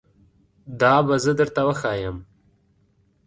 دا به زه درته وښایم